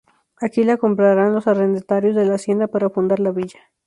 Aquí la compraran los arrendatarios de la hacienda para fundar la Villa.